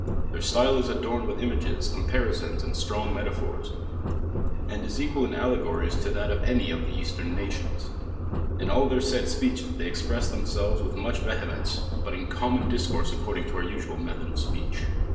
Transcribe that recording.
Their style is adorned with images, comparisons and t trong metaphors, and is equal in allegories to that of any of the eastern nations. In all their eet speeches t!)3y express themselves with much vehem ence, but in common discourse according to our usual method of speech.